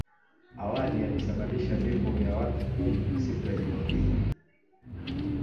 awali yalisababisha vifo vya watu kumi siku ya Jumapili